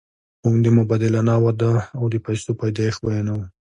موږ د مبادلاتو وده او د پیسو پیدایښت بیانوو